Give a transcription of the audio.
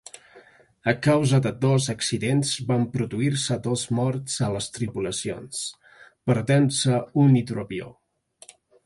A causa de dos accidents van produir-se dos morts a les tripulacions, perdent-se un hidroavió.